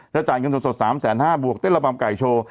แล้วจ่ายเงินสด๓แสน๕บวกเต้นระบำไก่โชว์